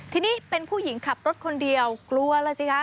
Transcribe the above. ทีนี้เป็นผู้หญิงขับรถคนเดียวกลัวแล้วสิคะ